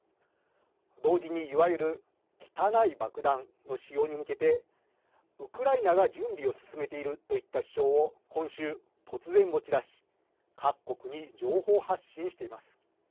同時に、いわゆる汚い爆弾の使用に向けてウクライナが準備を進めているといった主張を今週、突然持ち出し各国に情報発信しています。